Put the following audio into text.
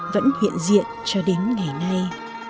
vẫn hiện diện cho đến ngày nay